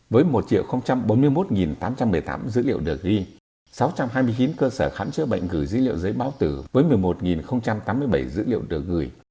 với một bốn mươi một tám trăm một mươi tám dữ liệu được ghi sáu trăm hai mươi chín cơ sở khám chữa bệnh gửi dữ liệu giấy báo tử với một mươi một tám mươi bảy dữ liệu được gửi